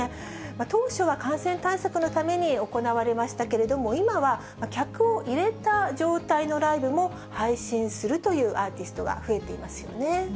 当初は感染対策のために行われましたけれども、今は、客を入れた状態のライブも配信するというＡｒｔｉｓｔが増えていますよね。